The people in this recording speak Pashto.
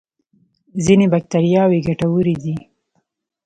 ځینې بکتریاوې ګټورې دي